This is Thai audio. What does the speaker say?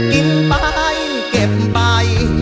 กินไปเก็บไป